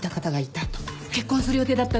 結婚する予定だったって話。